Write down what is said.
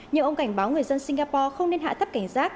nhưng ông cảnh báo người dân singapore không nên hạ thấp cảnh giác